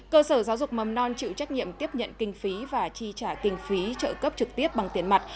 cơ sở giáo dục mầm non chịu trách nhiệm tiếp nhận kinh phí và chi trả kinh phí trợ cấp trực tiếp bằng tiền mặt